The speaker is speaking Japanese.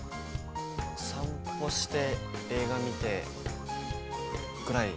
◆散歩して、映画見て、ぐらい。